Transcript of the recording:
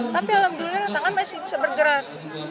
tapi alhamdulillah tangan masih bisa bergerak